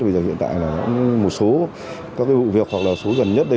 bây giờ hiện tại là một số các cái vụ việc hoặc là số gần nhất đây